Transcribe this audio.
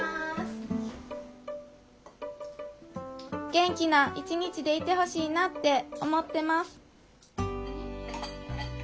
元気な一日でいてほしいなって思ってます